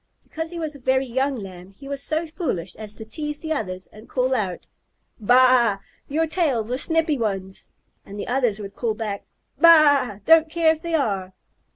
Because he was a very young Lamb he was so foolish as to tease the others and call out, "Baa! your tails are snippy ones!" Then the others would call back, "Baa! Don't care if they are!"